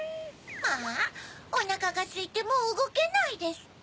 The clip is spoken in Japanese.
まぁ「おなかがすいてもううごけない」ですって。